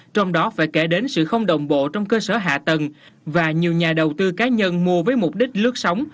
trong đó phải kể đến sự không đồng bộ trong cơ sở hạ tầng và nhiều nhà đầu tư cá nhân mua với mục đích lướt sóng